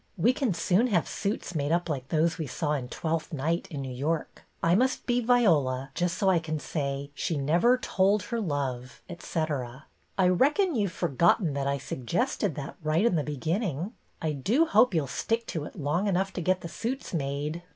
We can soon have suits made up like those we saw in Twelfth Night in New York. I must be Viola just so I can say, ' She never told her love,' etc." " I reckon you 've forgotten that I sug gested that right in the beginning. I do hope you 'll stick to it long enough to get the suits made."